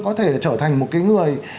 có thể là trở thành một cái người